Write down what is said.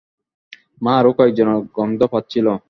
মা আরও কয়েকজনের গন্ধ পাচ্ছিল।